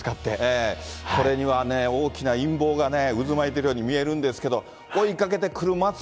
これには大きな陰謀がね、渦巻いてるように見えるんですけど。